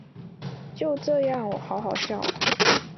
就这样喔好好笑